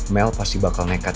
mel pasti bakal nekat